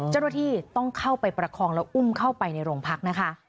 เจ้าหน้าที่ต้องเข้าไปประคองแล้วอุ้มเข้าไปในโรงพักนะคะ